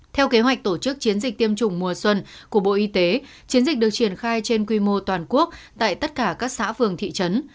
theo kế hoạch tổ chức chiến dịch tiêm chủng mùa xuân của bộ y tế chiến dịch được triển khai trên quy mô toàn quốc tại tất cả các xã phường thị trấn